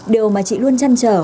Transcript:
điều mà chị luôn chăn trở